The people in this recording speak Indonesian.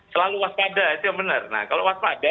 selalu waspada itu yang benar nah kalau waspada